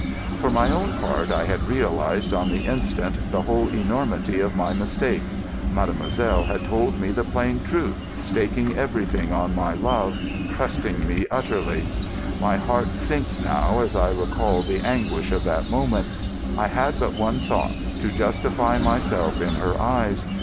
For my own part, I had realised on the instant the whole enormity of my mistake. Mademoiselle had told me the plain truth, staking everything on my love, trusting me utterly. My heart sinks now as I recall the anguish of that moment. I had but one thought—to justify myself in her eyes.